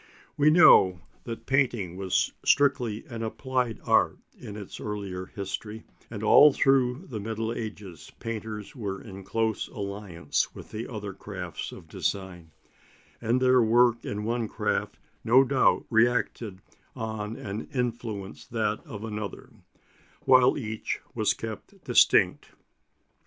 We know that painting was strictly an applied art in its earlier history, and all through the Middle Ages painters were in close alliance with the other crafts of design, and their work in one craft no doubt reacted on and influenced that in another, while each was kept distinct.